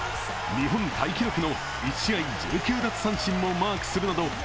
日本タイ記録の１試合１９奪三振もマークするなど